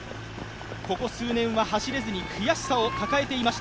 ここ数年は走れずに悔しさを抱えてきました。